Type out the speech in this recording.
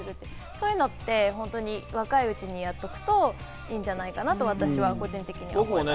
そういうのを若いうちにやっておくといいんじゃないかなと私は個人的に思います。